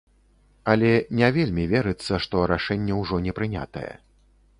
Але не вельмі верыцца, што рашэнне ўжо не прынятае.